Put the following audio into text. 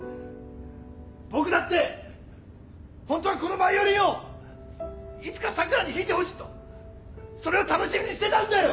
僕だってホントはこのバイオリンをいつか桜に弾いてほしいとそれを楽しみにしてたんだよ！